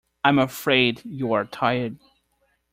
I am afraid you are tired.